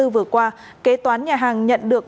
vừa qua kế toán nhà hàng nhận được